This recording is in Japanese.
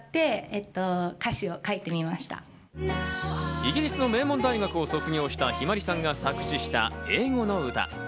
イギリスの名門大学を卒業した向日葵さんが作詞した英語の歌。